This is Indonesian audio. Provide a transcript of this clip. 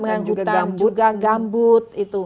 hutan juga gambut